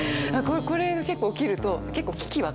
これが結構起きると結構危機は感じます。